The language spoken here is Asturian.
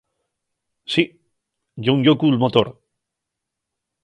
Sí, ye un llocu'l motor.